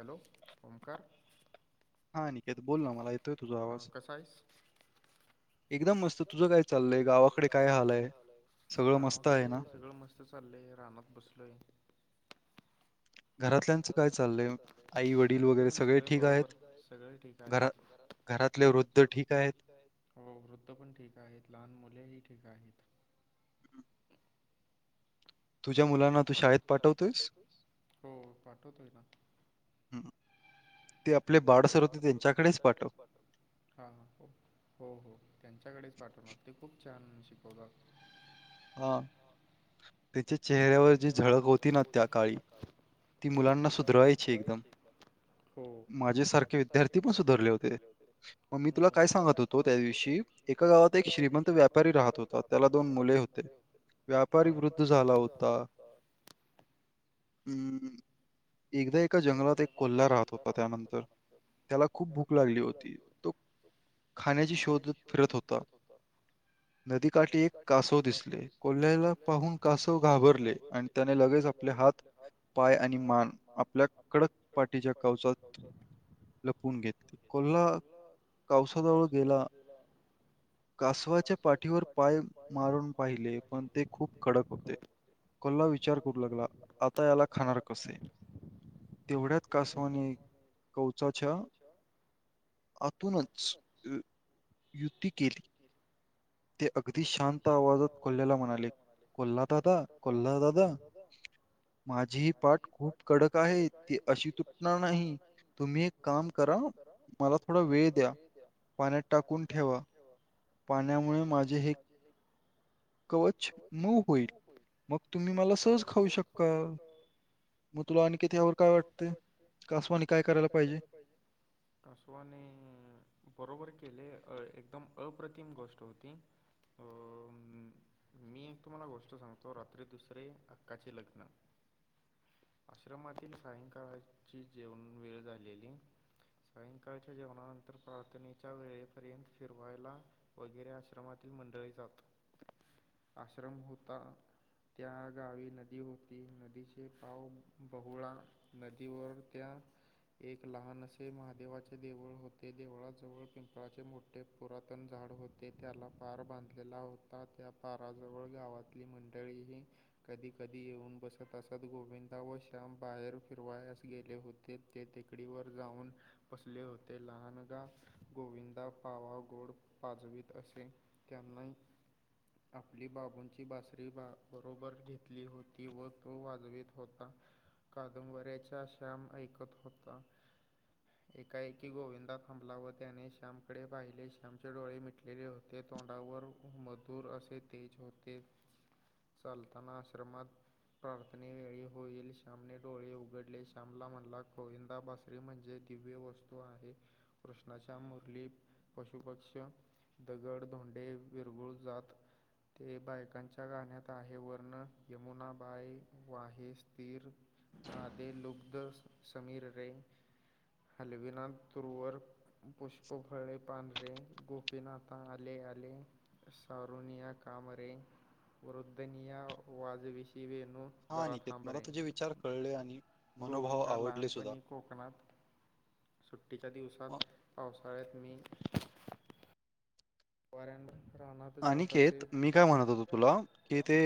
Hello. Omkar. हा. अनिकेत बोल ना. मला येतोय तुझा आवाज. हां. कसा आहेस? सांग ना तुमच काय चाललंय? गावाकडे काय हाल य? गावाकडे सगळं मस्त- चाललय रानात बसलोय. घरातल्यांचं काय चाललंय? घरातले पण सगळे बरोबर. सगळे ठिक आहेत. घरातले वृद्ध ठीक आहेत? हो, वृद्ध पण ठीक आहेत. लहान मुलेही ठीक आहेत. तुझ्या मुलांना तू शाळेत पाठवतोयस? हो पाठवतोय ना. ते आपले बाड सर होते त्यांच्याकडेच पाठव. हो हो त्यांच्याकडेच पाठवनार, ते खूप चान शिकवतात. हा. त्याचे चेहऱ्यावर जी झळक होती ना त्या काळी. ती मुलांना सुधरवायची एकदम. माझ्यासारखे विद्यार्थी पण सुधारले होते. मग मी तुला काय सांगत होतो त्या दिवशी- एका गावात एक श्रीमंत व्यापारी राहत होता. त्याला दोन मुले हो- व्यापारी वृद्ध झाला हो झाला होता. हम्म. एकदा एका जंगलात एक कोल्ला राहत होता त्यानंतर. त्याला खूप भूक लागली होती. तो खाण्याची शोधत फिरत होता. नदीकाठी एक कासव दिस कोल्याला पाहून कासव घाबरले आणि त्याने लगेच आपले हात पाय आणि मान आपल्या कडक पाटीच्या कवचात लपवून घेतल. कोल्हा कावसाजवळ गेला. कासवाच्या पाठीवर पाय मारून पाहिले पण ते खूप कडक होते. कोल्ला विचार करू लागला, आता याला खाणार कसे. तेवढ्यात कासवाने कवचाच्या आतूनच, युती केली. ते अगदी शांत आवाजात कोल्ह्याला म्हणाले, कोल्हा दादा कोल्हा दादा माझी ही पाठ खूप कडक आहे, ती अशी तुटणार नाही. तुम्ही एक काम करा मला थोडा वेळ द्या, पाण्यात टाकून ठेवा. पाण्यामुळे माझे हे [unintelligible] कवचं मऊ होईल, मग तुम्ही मला सहज खाऊ शकता. [unintelligible] कासवाने काय करायला पाहिजे. कासवाने- बरोबर केले. एकदम अप्रतिम गोष्ट होती. अ - म मी एक तुम्हाला गोष्ट सांगतो. रात्री दुसरे अक्काचे लग्न. आश्रमातील सायंकाळची जेवण वेळ झालेली. सायंकाळच्या जेवणानंतर प्रार्थनेच्या वेळेपर्यंत फिरवायला वगैरे आश्रमातील मंडळी जात. आश्रम होता त्या गावी नदी होती. नदीचे गाव बहळा नदीवर त्या एक लहान असे महादेवाचे देवळ होते. देवळात जवळ पिंपळाचे मोठे ठे पुरातन झाड होते. त्याला पार बांध ला होता. त्या पाराजवळ गावातली मंडळी ही कधी कधी येऊन बसत असत. गोविंदा व श्याम बाहेर फिरवायास गेले हो ते ते टेकडीवर जाऊन बसले होते. लहानगा गोविंदा पावा गोड वाजवीत असे. त्यांना आपली बाबूंची बासरी बरोबर घेतली होती, व तो वाजवेत होता. कादंबऱ्याच्या श्याम ऐकत होता. एकाएकी गोविंदा थांबला व त्याने श्यामकडे पाहिले. श्यामचे डोळे मिटलेले होते तोंडावर मधूर असे तेज होते. चालताना आश्रमात प्रार्थने वेळी होईल श्यामने डोळे उघडले. श्यामला म्हणला कोविंदा बस त्री म्हणजे दिव्य वस्तू आहे. कृष्णाच्या मुरली, पशुपक्ष, दगड धोंडे विरगुळ जात ते बायकांच्या गाण्यात आहे वर्ण यमुनाबाई वाहे स्थिर. आदे लुकद समीर रे हलविनाथ तुरुवर पुष्पफळे पांढरे गोपीनाथा ले आले सारुनिया कामरे वरद्धनय वाजविषीबेनू. हा निकेत मला तुझे विचार कळले आणि गोविंदा लहानपणी कोकणात सुट्टीच्या दिवसात पावसाळ्यात मी वरन राहना जात असेल ह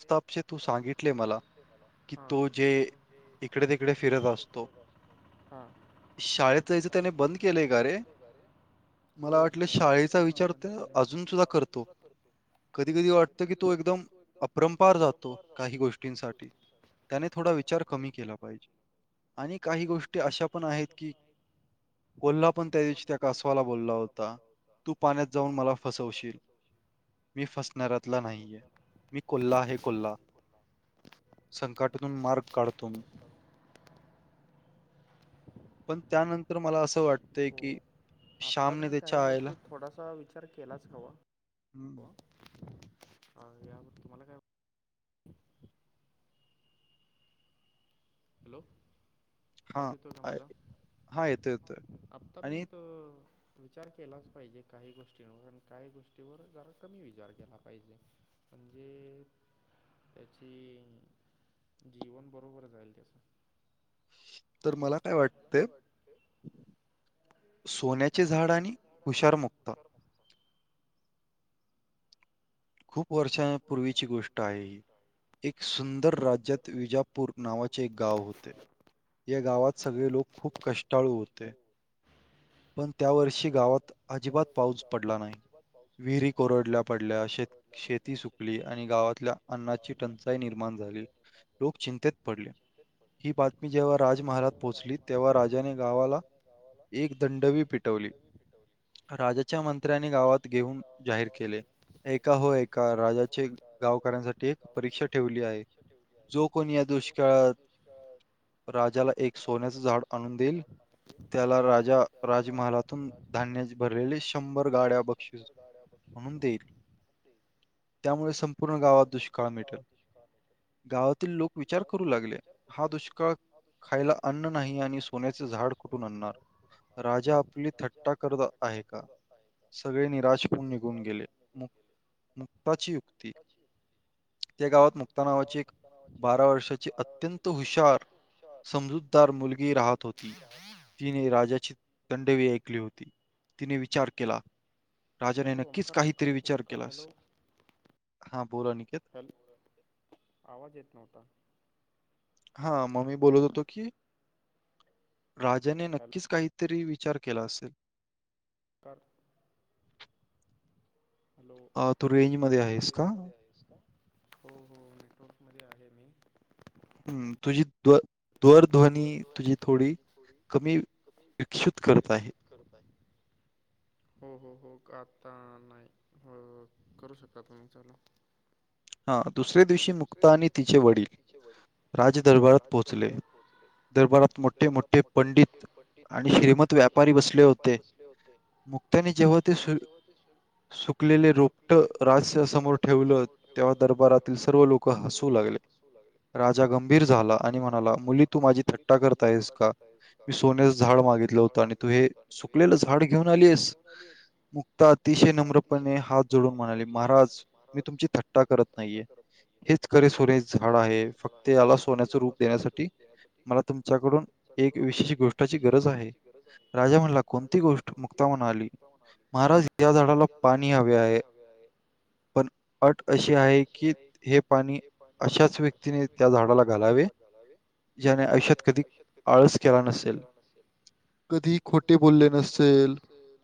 ते सक्त [inaudible] ह ह [inaudible] साडे तन टण भरतीलले बरे [inaudible] मला वाटलं शाळेचा विचार तर अजून सुद्धा करतो. कधी कधी वाटतं की तू एकदम अप्रंपार जातो काही गोष्टींसाठी. त्याने थोडा विचार कमी केला पाहिजे आणि काही गोष्टी अशा पण आहेत की. कोल्हा पण त्या दिवशी त्या कासवाला बोलला होता तू पाण्यात जाऊन मला फसवशील मी फसणाऱ्यातला नाही आहे कोल्हा आहे मी कोल्हा. संकटातून मार्ग काढतो. पण त्यानंतर मला असं वाटतंय की. आता पर्यंत काही गोष्टी थोडासा विचार केलाच हवा. अ याला तुम्हाला काय [inaudible] हॅलो. आवाज येतो का माझा आता पर्यंत अ विचार केलाच पाहिजे काही गोष्टींवर आणि काही गोष्टीवर जरा कमी विचार केला पाहिजे. म्हणजे त्याची जीवन बरोबर जाईल त्याच. तर मला तर मला असं वाटते. सोन्याचे झाड आणि हुशारमुक्त. वर्षापूर्वीची गोष्ट आहे. एक सुंदर राज्यात विजापूर नावाचे एक गाव होते. या गावात सगळे लोक खूप कष्टाळू होते. पण त्या वर्षी गावात अजिबात पाऊस पडला नाही विहिरी कोरडल्या. पडल्या श शेत. त सुकली आणि गावातल्या अन्नाची टंचाई निर्माण झाली लोक चिंतेत पडली ही बातमी जेव्हा राजमहालात पोहोचली तेव्हा राजाने गावाला एक दंडवी पेटवली. राजाच्या मंत्र्यांनी गावात घेऊन जाहीर केले एका हो एका. राजाचे गावकऱ्यांसाठी एक परीक्षा ठेवली आहे जो कोणी या दुष्काळात तर. राजाला एक सोन्याचं झाड आणून देईल त्याला राजा राजमहालातून धान्य भरलेले शंभर गाड्या बक्षीस म्हणून देईल त्यामुळे संपूर्ण गावात दुष्काळ मिटल. गावातील लोक विचार करू लागले हा दुष्काळ खायला अन्न नाही आणि सोन्याचे झाड पुन सुझाार पु [inaudible] राजा आपली थट्टा करत आहे का सगळे निराश होऊन निघून गेले मक मुक्ताची युक्ती त्या गावात मुक्ता नावाची एक बारा वर्षाची अत्यंत हुशार समजूत तर मुलगी राहत होती. तिने राजाची दंडवी ऐकली होती तिने विचार केला. राजाने नक्कीच काहीतरी विचार केलास हा बोला निकेत. हॅलो [unintelligible] आवाज येत नव्हता. हा मम्मी बोलत होतो की. राजाने नक्कीच काहीतरी विचार केला असेल. तर. हॅलो तू रेंजमध्ये आहेस का? हो हो नेटवर्कमध्ये आहे मी. हम्म तुझी द. दरध्वनी तुझी थोडी कमी विकसुत करत आहे करतय. हो हो हो आता नाही हो करू शक तुम्ही ल हा दुसऱ्या दिवशी मुक्ता आणि तिचे वडील. राजदरबारात पोहोचले दरबारात मोठे मोठे पंडित आणि श्रीमंत. व्यापारी बसले होते मुक्त्यानी जेव्हा ते सु सुकलेले रोपट राज समोर ठेवलं तेव्हा दरबारात. सर्व लोक हसू लागले राजा गंभीर झाला आणि म्हणाला मुली. तू माझी थट्टा करता आहेस का मी सोन्यास झाड मागितलं होतं आणि तू हे. सुकलेलंच झाड घेऊन आलीस चालीस. मुक्ता अतिशय नम्रपणे हात जोडून म्हणाले महाराज मी तुमची थट्टा करत नाही. हेच खरे सोने झाड आहे फक्त याला सोन्याच रूप देण्यासाठी मला तुम कडून एक विशेष गोष्टाची गरज आहे राजा म्हणला कोणती गोष्ट मुक्ता म्हना आली. महाराज या झाडाला पाणी हवे आहे. अट अशी आहे की हे पाणी अशाच व्यक्तीने त्या झाडाला घालावे. ज्याने आयुष्यात कधी आळस केला नसेल. कधी मोठे बोलले नसेल.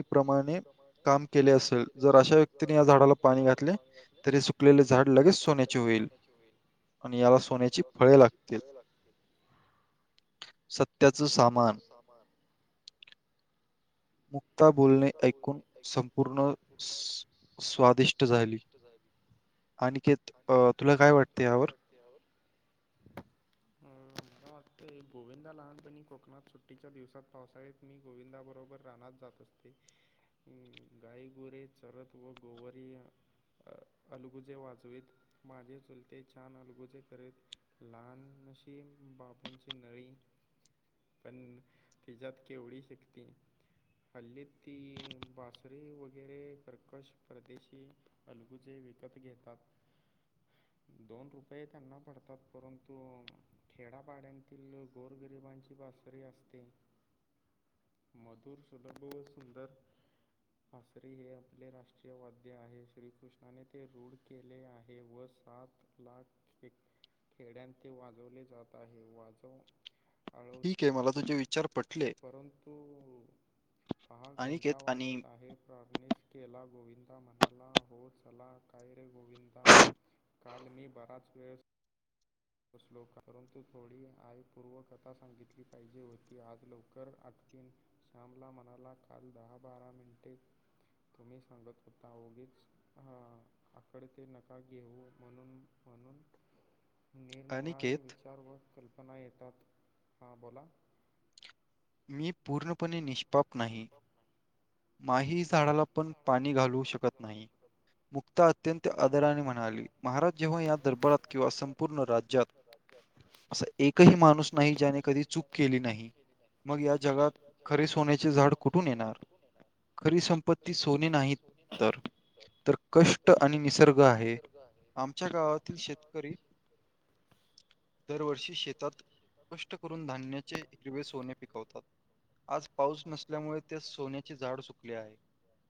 आणि नेहमी प्र्रमाणे काम केले असेल तरर अशा व्यक्तीनी या झाडाला पाणी घातले तरी सुटलेले झाड लगेच सोन्याचे होईल. याला सोन्याची फळे लागते. सत्याचं सामान. मुक्ता बोलणे ऐकून संपूर्ण स्वादिष्ट. स्वादिष्ट झाल आणखी तुला काय वाटते यावर. हम्म. न वास्ते गोविंदा लहानपणी कोकणात सुट्टीच्या दिवसात पावसाळत मी गोविंदाबरोबर राहत जात असतेो. गाई गोरे चरत व गोवरारी. अ अलगुजे वाजवत माझे चुलते छान अलगुजे करीत. लहान अशी बाबूंची नळी. पण तिजत केवढी शिकते हल्लीत. ती बासरी वगैरे कर्कश परदेची. अलगूचेे विकत घेतात. दोन रुपये त्यांना पडतात परंतु. खेडापाड्यांतील लो गोरगरिबांची बसरी असते मधुर सुलभ व सुंदर. हासरी हे आपले राष्ट्रीय वाद्य आहे श्रीकृष्णाने ते रूढ केले आहे. हे व सात लाख एक. खेड्या ते वाजवले जात आहे वाजव. मला तुम विच. चार पटले. परंतु पहा घंटा वाजत आहे. प्रर्नीश केला गोविंदा मणाला हो सला काय रे गोविंदा. काल मी बराच वेळेस. ो परंतु थोडी आई पूर्व कथा सांगितली पाहिजे होती आज लवकर आठतीन. शमला मनाला काल दहा बारा मिनिटे तुम्ही सांगत होता ओगीच. हा आकडे ते नका घेऊ म्हणून म्हणून. निरनिराळे विचार व कल्पना येतात हां बोला. मी पूर्णपणे निष्पाप नाही. [inaudible] माही झाडाला पण पाणी घालू शकत नाही मुक्त. अत्यंत आदराने म्हणाली महाराज जेव्हा या दरबारात किंवा संपूर्ण राज्यात असा एक. काही माणूस नाही ज्याने कधी चूक केली नाही. मग या जगात खरे सोन्याचे झाड कुठून येणार. खरी संपत्ती सोने नाही तर तर. कष्ट आणि निसर्ग आहे आमच्या गावातील शेतकरी. दरवर्षी शेतात कष्ट करून धान्याचे हिरवे सोने पिकवतात. आज पाऊस नसल्यामुळे त्या सोन्या. झाड सुकले आहे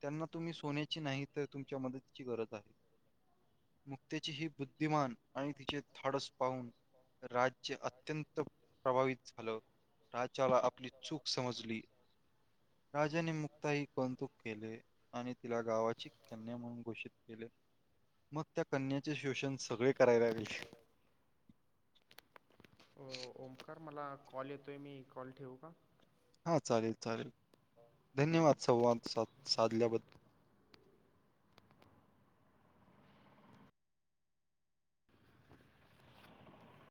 त्यांना तुम्ही सोन्याची नाही तर तुमच्या मदतीची गरज आहे. मुक्तेची ही बुद्धिमान आणि तिचे धाडस पाहून राज्य अत्यंत प्रभावित झालं राजाला आपली चूक समजली राजानी आताही कौतुक केले आणि तिला गावाची कन्या म्हणून घोषित केले. मग त्या कन्याचे श्ोषण सगळे करायला लागल. ओमकार मला कॉल येतोय मी कॉल ठेवू का. हा चालेल चालेल धन्यवाद संवाद साध साधल्याबद्दल.